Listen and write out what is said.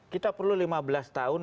kita perlu lima belas tahun